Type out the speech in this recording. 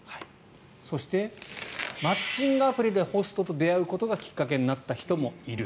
そして、マッチングアプリでホストと出会うことがきっかけになった人もいる。